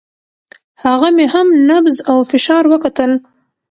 هغه مې هم نبض او فشار وکتل.